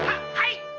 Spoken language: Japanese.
はい。